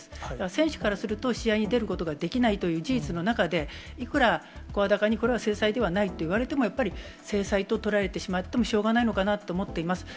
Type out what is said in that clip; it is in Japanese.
選手からすると試合に出ることができないという事実の中で、いくら声高に、これは制裁ではないと言われても、やっぱり制裁ととられてしまってもしょうがないのかなと思っています。